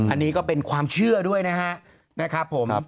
อันนี้ก็เป็นความเชื่อด้วยนะครับผม